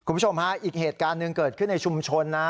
คุณผู้ชมฮะอีกเหตุการณ์หนึ่งเกิดขึ้นในชุมชนนะ